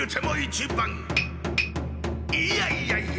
いやいやいや！